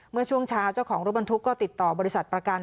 เมื่อช่วงเช้าเจ้าของรถบรรทุกก็ติดต่อบริษัทประกัน